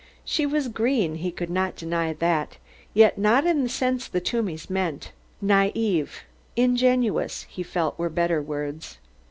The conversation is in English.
She was "green," he could not deny that, yet not in the sense the Toomeys meant. Naïve, ingenuous, he felt were better words.